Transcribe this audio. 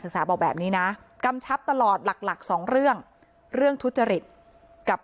ศึกษาบอกแบบนี้นะกำชับตลอดหลัก๒เรื่องเรื่องทุจริตกับ